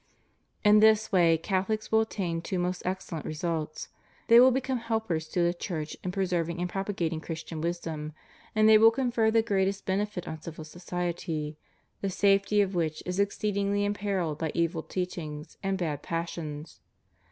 In this way Catholics will attain two most excellent results : they will become helpers to the Church in preserv ing and propagating Christian wisdom ; and they will confer the greatest benefit on civil society, the safety of which is exceedingly imperilled by evil teachings and bad passions.